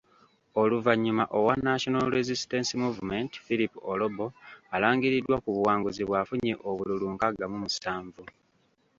Oluvanyuma owa National Resistance Movement Philip Olobo, alangiriddwa ku buwanguzi bw'afunye obululu nkaaga mu musanvu.